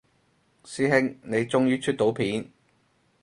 師兄你終於出到片